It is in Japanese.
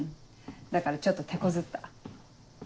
だからちょっとてこずった。